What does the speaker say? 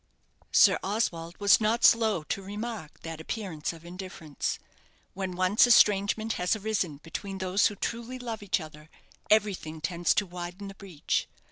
Sir Oswald was not slow to remark that appearance of indifference. When once estrangement has arisen between those who truly love each other, everything tends to widen the breach.